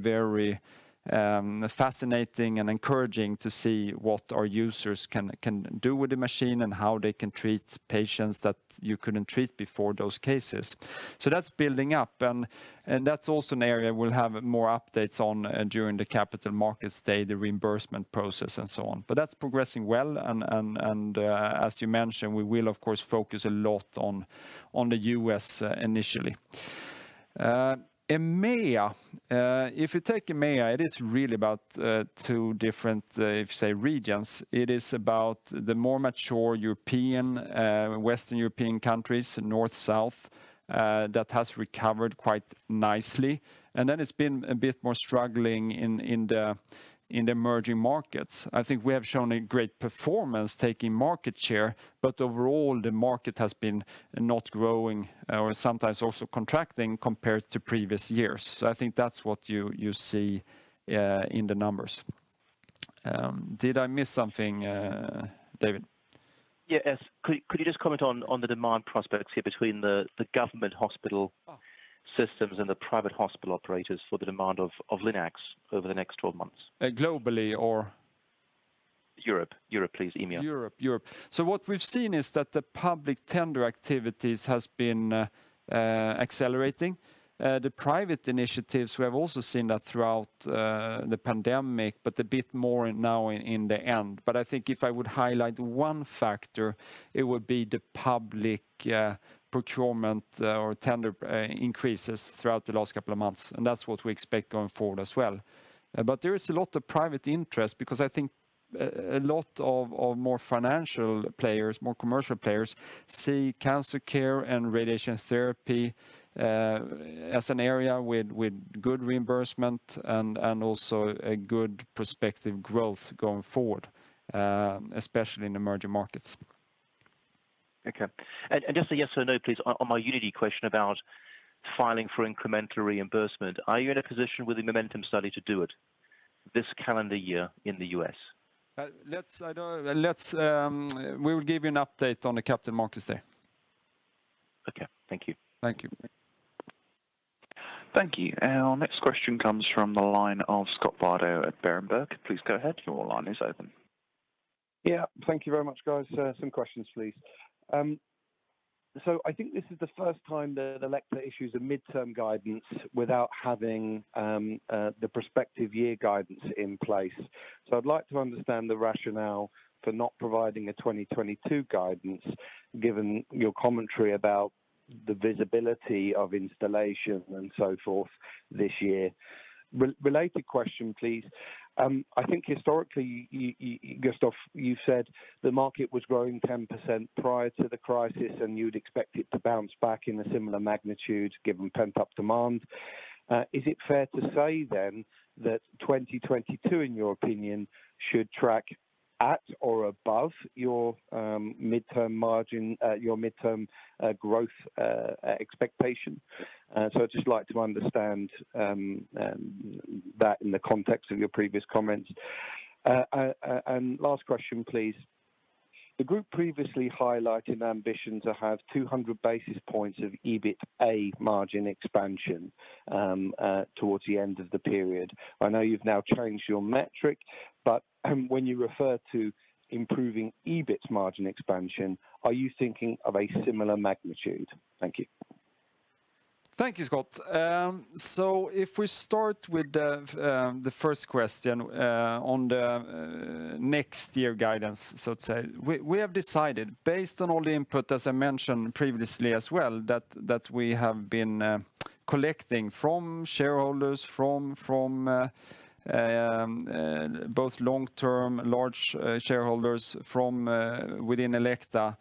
fascinating and encouraging to see what our users can do with the machine and how they can treat patients that you couldn't treat before those cases. That's building up, and that's also an area we'll have more updates on during the Capital Markets Day, the reimbursement process, and so on. That's progressing well, and as you mentioned, we will of course, focus a lot on the U.S. initially. EMEA. If you take EMEA, it is really about two different, say, regions. It is about the more mature European, Western European countries, north, south, that has recovered quite nicely. It's been a bit more struggling in the emerging markets. I think we have shown a great performance taking market share, overall, the market has been not growing or sometimes also contracting compared to previous years. I think that's what you see in the numbers. Did I miss something, [Michael]? Yes. Could you just comment on the demand prospects between the government hospital systems and the private hospital operators for the demand of Linacs over the next 12 months? Globally or? Europe, please. EMEA. Europe. What we've seen is that the public tender activities has been accelerating. The private initiatives, we have also seen that throughout the pandemic, but a bit more now in the end. I think if I would highlight one factor, it would be the public procurement or tender increases throughout the last couple of months, and that's what we expect going forward as well. There is a lot of private interest because I think a lot of more financial players, more commercial players, see cancer care and radiation therapy as an area with good reimbursement and also a good prospective growth going forward, especially in emerging markets. Okay. Just a yes or no, please, on my Unity question about filing for incremental reimbursement. Are you in a position with the MOMENTUM study to do it this calendar year in the U.S.? We will give you an update on the Capital Markets Day. Okay. Thank you. Thank you. Thank you. Our next question comes from the line of Scott Bardo at Berenberg. Please go ahead. Your line is open. Yeah. Thank you very much, guys. I think this is the first time that Elekta issues a midterm guidance without having the prospective year guidance in place. I'd like to understand the rationale for not providing a 2022 guidance, given your commentary about the visibility of installation and so forth this year. Related question, please. I think historically, Gustaf, you said the market was growing 10% prior to the crisis, and you'd expect it to bounce back in a similar magnitude given pent-up demand. Is it fair to say then that 2022, in your opinion, should track at or above your midterm growth expectation? I'd just like to understand that in the context of your previous comments. Last question, please. The group previously highlighted ambition to have 200 basis points of EBITA margin expansion towards the end of the period. I know you've now changed your metric, but when you refer to improving EBIT margin expansion, are you thinking of a similar magnitude? Thank you. Thank you, Scott. If we start with the first question on the next year guidance, so to say. We have decided based on all the input, as I mentioned previously as well, that we have been collecting from shareholders, from both long-term and large shareholders from within Elekta,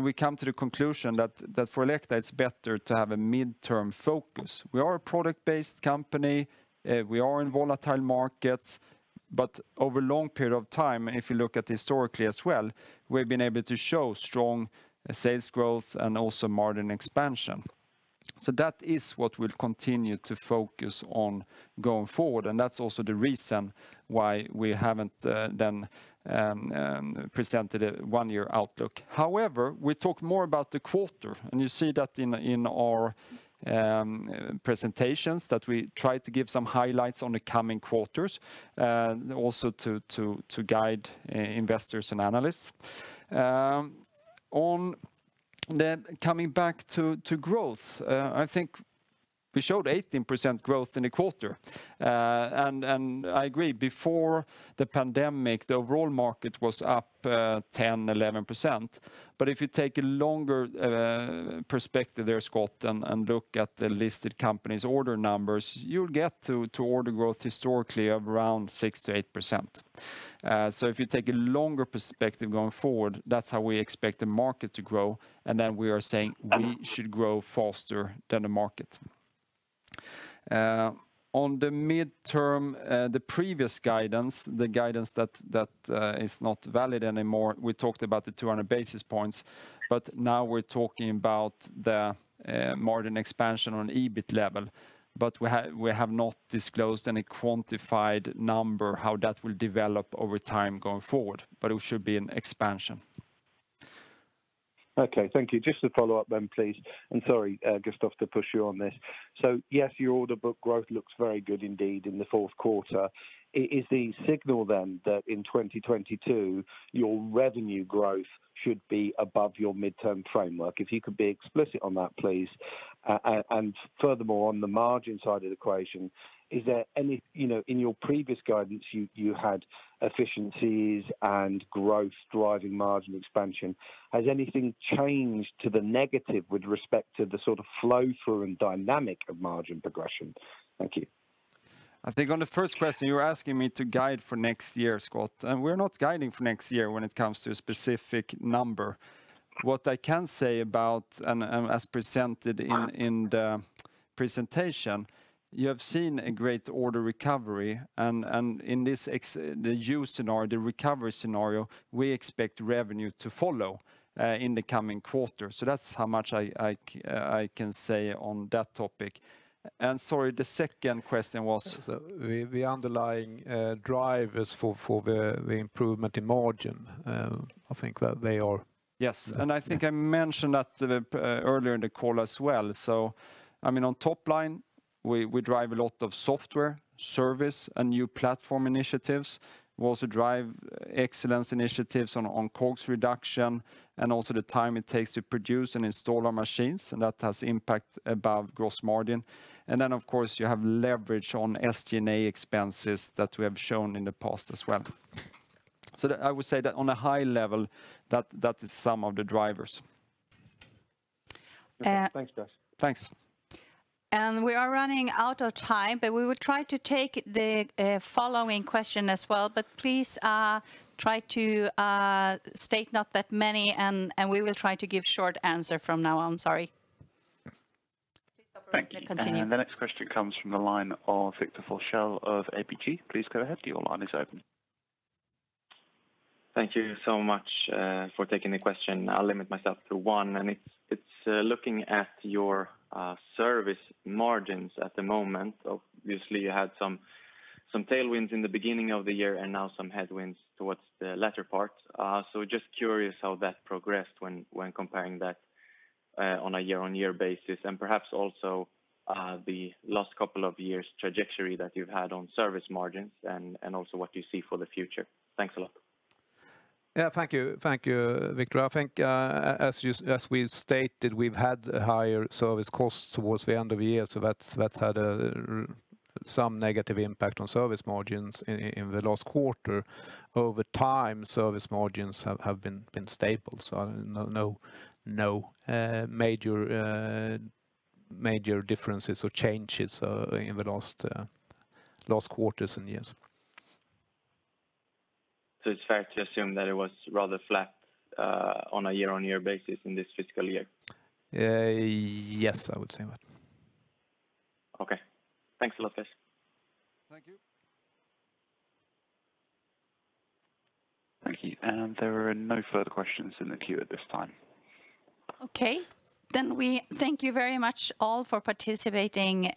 we come to the conclusion that for Elekta, it's better to have a midterm focus. We are a product-based company. We are in volatile markets, over a long period of time, if you look at historically as well, we've been able to show strong sales growth and also margin expansion. That is what we'll continue to focus on going forward, that's also the reason why we haven't then presented a one-year outlook. However, we talked more about the quarter, and you see that in our presentations, that we try to give some highlights on the coming quarters, also to guide investors and analysts. Coming back to growth, I think we showed 18% growth in a quarter. I agree, before the pandemic, the overall market was up 10%, 11%. If you take a longer perspective there, Scott, and look at the listed companies' order numbers, you'll get to order growth historically of around 6%-8%. If you take a longer perspective going forward, that's how we expect the market to grow. Then we are saying we should grow faster than the market. On the midterm, the previous guidance, the guidance that is not valid anymore, we talked about the 200 basis points, but now we're talking about the margin expansion on EBIT level. We have not disclosed any quantified number, how that will develop over time going forward. It should be an expansion. Okay, thank you. Just to follow up, please, sorry, Gustaf, to push you on this. Yes, your order book growth looks very good indeed in the fourth quarter. Is the signal then that in 2022, your revenue growth should be above your midterm framework? If you could be explicit on that, please. Furthermore, on the margin side of the equation, in your previous guidance, you had efficiencies and growth driving margin expansion. Has anything changed to the negative with respect to the sort of flow through and dynamic of margin progression? Thank you. I think on the first question, you're asking me to guide for next year, Scott, and we're not guiding for next year when it comes to a specific number. What I can say about, and as presented in the presentation, you have seen a great order recovery. In the recovery scenario, we expect revenue to follow in the coming quarter. That's how much I can say on that topic. Sorry, the second question was? The underlying drivers for the improvement in margin. Yes, I think I mentioned that earlier in the call as well. On top line, we drive a lot of software, service, and new platform initiatives. We also drive excellence initiatives on COGS reduction, and also the time it takes to produce and install our machines, and that has impact above gross margin. Then, of course, you have leverage on SG&A expenses that we have shown in the past as well. I would say that on a high level, that is some of the drivers. No, thanks, Gustaf. Thanks. We are running out of time, but we will try to take the following question as well, but please try to state not that many, and we will try to give short answer from now on. Sorry. Thank you. Continue. The next question comes from the line of Victor Forssell of ABG. Please go ahead. Your line is open. Thank you so much for taking the question. I'll limit myself to one, and it's looking at your service margins at the moment. Obviously, you had some tailwinds in the beginning of the year and now some headwinds towards the latter parts. Just curious how that progressed when comparing that on a year-on-year basis, and perhaps also the last couple of years' trajectory that you've had on service margins and also what you see for the future. Thanks a lot. Thank you, Victor. I think as we've stated, we've had higher service costs towards the end of the year, that's had some negative impact on service margins in the last quarter. Over time, service margins have been stable, no major differences or changes in the last quarters and years. It's fair to assume that it was rather flat on a year-on-year basis in this fiscal year? Yes, I would say that. Okay. Thanks a lot. Thank you. Thank you. There are no further questions in the queue at this time. Okay. We thank you very much all for participating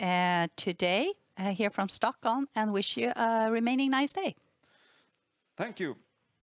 today here from Stockholm, and wish you a remaining nice day. Thank you.